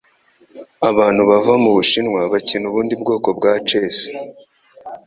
Abantu bava mubushinwa bakina ubundi bwoko bwa chess.